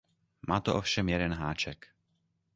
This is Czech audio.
Má to ovšem jeden háček.